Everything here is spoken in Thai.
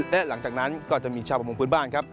และหลังจากนั้นก็จะมีชาวประมงพื้นบ้านครับ